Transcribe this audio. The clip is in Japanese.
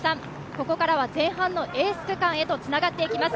ここからは前半のエース区間へとつながっていきます。